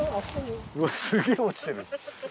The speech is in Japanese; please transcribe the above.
うわすげぇ落ちてる。